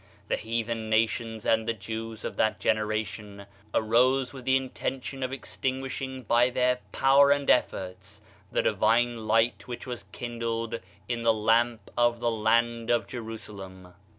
The heathen nations and the Jews of that gen eration arose with the intention of extinguishing by their power and efforts the divine Light which . was kindled in the lamp of the land of Jerusalem.